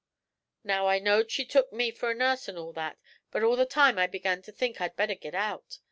'Now I knowed she took me for a nurse and all that, but all the same I begun to think I'd better git out.